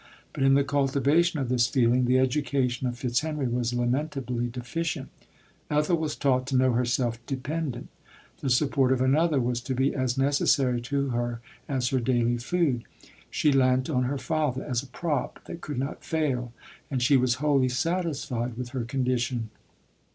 But in the cultiva tion of this feeling, the education of Fitzhenry was lamentably deficient. Ethel was taught to know herself dependent ; the support of an other was to be as necessary to her as her daily food. She leant on her father as a prop that could not fail, and she was wholly satisfied with her condition.